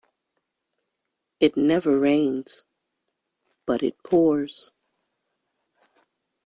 It never rains but it pours.